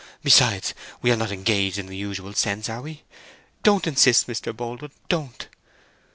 Besides, we are not engaged in the usual sense, are we? Don't insist, Mr. Boldwood—don't!"